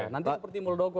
nanti seperti muldoko